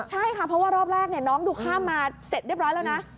ใช่ค่ะเพราะว่ารอบแรกน้องดูข้ามมาเสร็จเรียบร้อยแล้วนะ